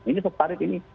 ini separit ini